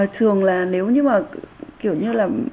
thường là nếu như mà kiểu như là